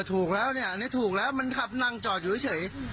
ถูกแล้วถูกแล้วมันขับนั่งจอดอยู่เฉย